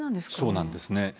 そうなんですね。